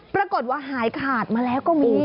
ปรากฏว่าหายขาดมาแล้วก็มี